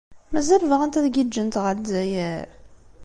Mazal bɣant ad giǧǧent ɣer Lezzayer?